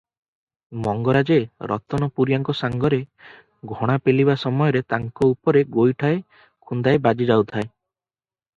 ମଙ୍ଗରାଜେ ରତନପୁରିଆଙ୍କ ସାଙ୍ଗରେ ଘଣା ପେଲିବା ସମୟରେ ତାଙ୍କ ଉପରେ ଗୋଇଠାଏ, ଖୁନ୍ଦାଟାଏ ବାଜିଯାଉଥାଏ ।